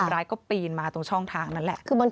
ร้ายก็ปีนมาตรงช่องทางนั่นแหละ